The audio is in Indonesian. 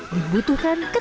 dibutuhkan ketiga orang